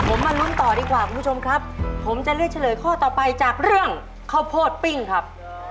ผมมารุ่นต่อดีกว่าคุณผู้ชมครับ